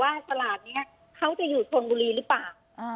ตลาดนี้เขาจะอยู่ชนบุรีหรือเปล่า